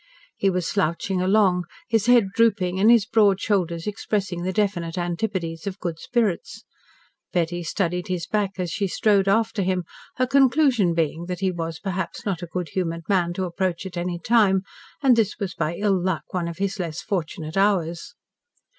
He was slouching along, his head drooping and his broad shoulders expressing the definite antipodes of good spirits. Betty studied his back as she strode after him, her conclusion being that he was perhaps not a good humoured man to approach at any time, and that this was by ill luck one of his less fortunate hours.